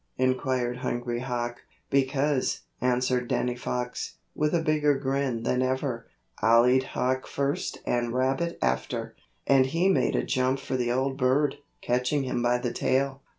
inquired Hungry Hawk. "Because," answered Danny Fox, with a bigger grin than ever, "I'll eat Hawk first and Rabbit after," and he made a jump for the old bird, catching him by the tail.